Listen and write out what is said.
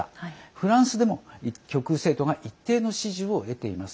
フランスでも極右政党が一定の支持を得ています。